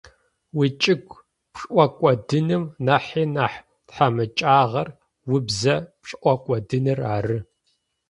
Уичӏыгу пшӏокӏодыным нахьи нахь тхьамыкӏагъор убзэ пшӏокӏодыныр ары.